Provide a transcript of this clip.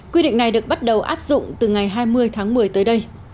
quy định này được bắt đầu áp dụng từ ngày hai mươi tháng một mươi tới đây